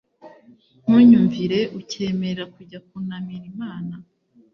ntunyumvire, ukemera kujya kunamira imana